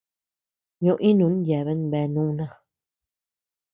Ño-ínun yeaben bea núna.